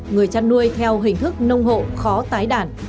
người chăn nuôi theo hình thức nông hộ khó tái đàn